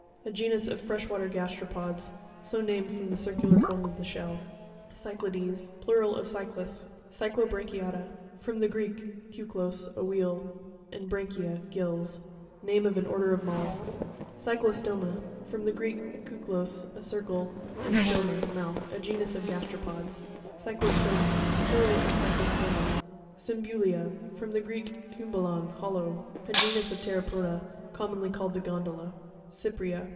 A genus of fresh water gasteropods, so named from the circular form of the shell. Cy'ciapEes.—Plural of cyclas. Cy'cLoprancui'aTa.—From the Greek, kuklos, a wheel, and bragcaia, gills. Name of an order of mollusks (page 61). CONCHOLOGY.—GLOSSARY. 105 Cyrcio'stoma.—From the Greek, ku klos, a circle, and stoma, mouth. A genus of gasteropods (page 48). Cyctio'stom#.—Plural of cyclostoma. Cymsu't14.—From the Greek, kum balon, hollow. A genus of ptero poda, commonly called the gondola. Cypr#'a.